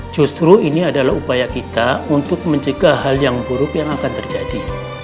justru ini adalah upaya kita untuk mencegah hal yang buruk yang akan terjadi